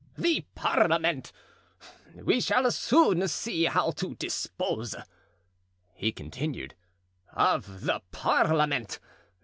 "The parliament! We shall soon see how to dispose," he continued, "of the parliament!